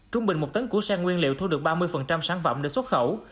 trung bình một tấn củ sen nguyên liệu thu được ba mươi sản phẩm để xuất khẩu